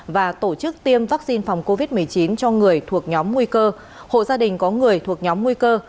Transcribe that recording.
và tổ chức tiêm vaccine phòng covid một mươi chín cho người thuộc nhóm nguy cơ hộ gia đình có người thuộc nhóm nguy cơ